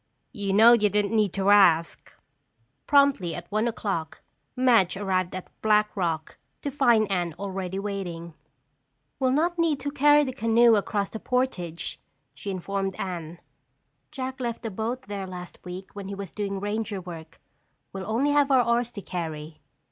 "You know you didn't need to ask." Promptly at one o'clock Madge arrived at Black Rock to find Anne already waiting. "We'll not need to carry the canoe across the portage," she informed Anne. "Jack left a boat there last week when he was doing ranger work. We'll only have our oars to carry."